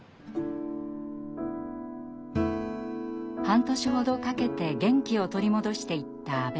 半年ほどかけて元気を取り戻していった阿部さん。